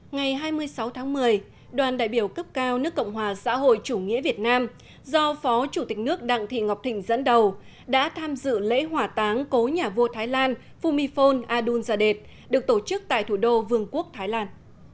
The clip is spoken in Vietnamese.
ngày hai mươi sáu tháng một mươi đoàn đại biểu cấp cao nước cộng hòa xã hội chủ nghĩa việt nam do phó chủ tịch nước đặng thị ngọc thịnh dẫn đầu đã tham dự lễ hỏa táng cố nhà vua thái lan fumifon adunzade được tổ chức tại thủ đô vương quốc thái lan